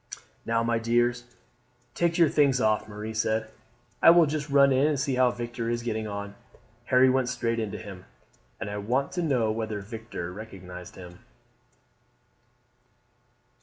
"Now, my dears, take your things off," Marie said. "I will just run in and see how Victor is getting on. Harry went straight in to him, and I want to know whether Victor recognized him."